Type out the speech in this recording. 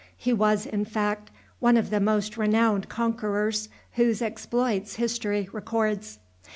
He was, in fact, one of the most renowned conquerors whose exploits history records.